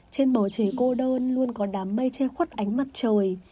trên bầu trời cô đơn luôn có đám mây che khuất ánh mặt trời